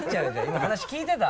今話聞いてた？